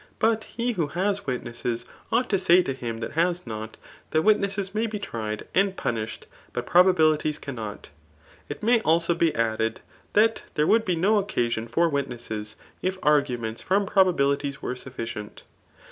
But he who has witnesses ought to say ta him that has not, that witnesses may be tried and punished, .but probabilities cannot. [It may also hm added,3 that there would be no occasion for witnesses, if arguments from probabilities were sufficient.